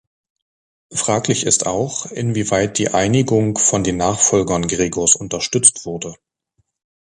Fraglich ist auch, inwieweit die Einigung von den Nachfolgern Gregors unterstützt wurde.